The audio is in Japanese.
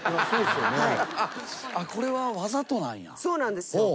そうなんですよ。